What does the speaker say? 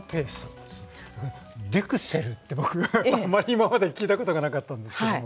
「デュクセル」って僕あんまり今まで聞いたことがなかったんですけども。